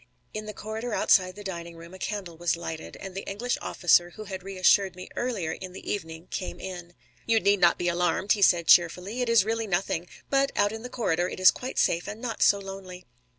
In the corridor outside the dining room a candle was lighted, and the English officer who had reassured me earlier in the evening came in. "You need not be alarmed," he said cheerfully. "It is really nothing. But out in the corridor it is quite safe and not so lonely."